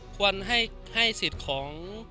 ควรให้สิทธิ์ของ